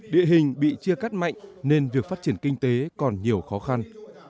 địa hình bị chia cắt mạnh nên việc phát triển kinh tế còn nhiều khó khăn